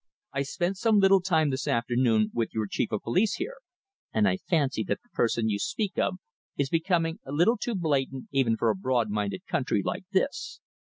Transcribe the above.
I spent some little time this afternoon with your chief of the police here, and I fancy that the person you speak of is becoming a little too blatant even for a broad minded country like this.